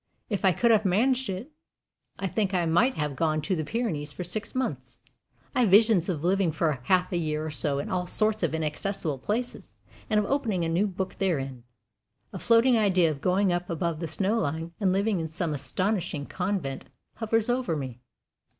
If I could have managed it, I think I might have gone to the Pyrenees for six months. I have visions of living for half a year or so in all sorts of inaccessible places, and of opening a new book therein. A floating idea of going up above the snow line, and living in some astonishing convent, hovers over me.